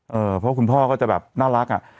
เพราะว่าคุณพ่อก็จะแบบน่ารัก